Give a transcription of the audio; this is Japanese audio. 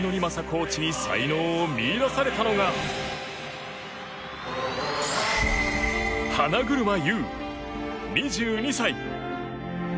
コーチに才能を見いだされたのが花車優、２２歳。